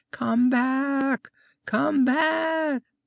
"Come back! Come back!"